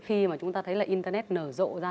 khi mà chúng ta thấy là internet nở rộ ra